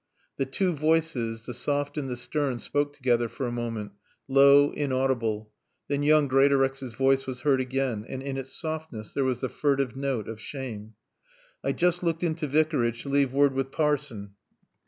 The two voices, the soft and the stern, spoke together for a moment, low, inaudible. Then young Greatorex's voice was heard again, and in its softness there was the furtive note of shame. "I joost looked in to Vicarage to leave woord with Paason."